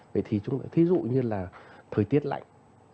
vậy thì chúng ta thí dụ như là thời tiết lạnh